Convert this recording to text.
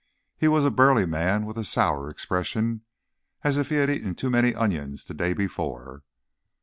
He was a burly man with a sour expression, as if he had eaten too many onions the day before.